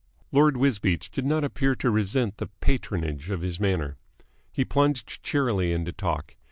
Lord Wisbeach did not appear to resent the patronage of his manner. He plunged cheerily into talk.